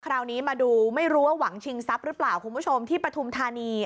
คราวนี้มาดูไม่รู้ว่าหวังชิงทรัพย์หรือเปล่าคุณผู้ชมที่ปฐุมธานี